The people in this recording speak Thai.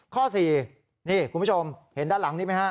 ข้อ๔นี่คุณผู้ชมเห็นด้านหลังนี้ไหมฮะ